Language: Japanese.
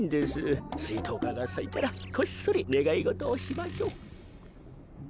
スイトウカがさいたらこっそりねがいごとをしましょう。